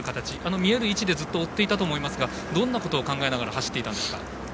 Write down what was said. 見える位置でずっと追っていたと思いますがどんなことを考えながら走っていたんですか？